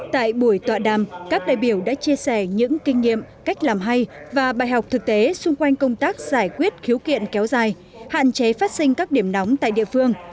tại buổi tọa đàm các đại biểu đã chia sẻ những kinh nghiệm cách làm hay và bài học thực tế xung quanh công tác giải quyết khiếu kiện kéo dài hạn chế phát sinh các điểm nóng tại địa phương